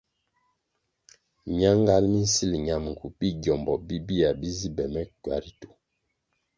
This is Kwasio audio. Myangal mi nsil ñamgu bi gyómbo bibia bi zi be me kywa ritu.